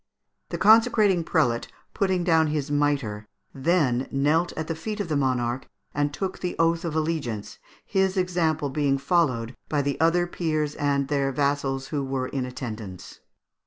The consecrating prelate, putting down his mitre, then knelt at the feet of the monarch and took the oath of allegiance, his example being followed by the other peers and their vassals who were in attendance.